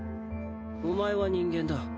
お前は人間だ。